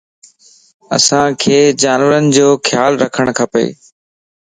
اسانک جانورين جو خيال رکڻ کپَ